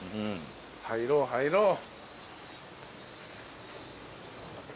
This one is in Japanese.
入ろう入ろう。